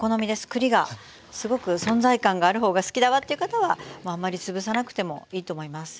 栗がすごく存在感がある方が好きだわっていう方はあんまり潰さなくてもいいと思います。